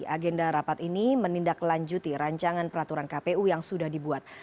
agenda rapat ini menindaklanjuti rancangan peraturan kpu yang sudah dibuat